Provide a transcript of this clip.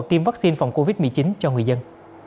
tiêm vaccine phòng covid một mươi chín cho người dân